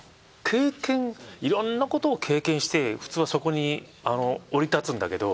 いろんなことを経験して普通はそこに降り立つんだけど。